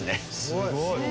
すごい。